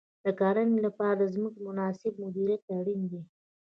د کرنې لپاره د ځمکې مناسب مدیریت اړین دی.